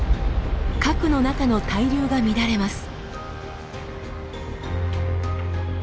核の中の対流が乱れます。